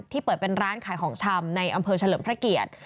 เปิดเป็นร้านขายของชำในอำเภอเฉลิมพระเกียรติ